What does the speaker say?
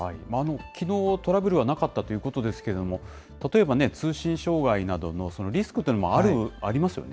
きのう、トラブルはなかったということですけれども、例えば通信障害などのリスクというのもありますよね。